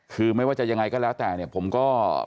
คือไม่ว่าจะอย่างไรก็แล้วแต่ผมก็